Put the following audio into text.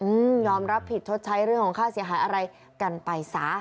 อืมยอมรับผิดชดใช้เรื่องของค่าเสียหายอะไรกันไปซะ